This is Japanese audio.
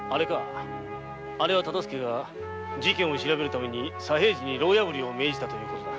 あれは大岡が事件を調べるために左平次に牢破りを命じたということだ。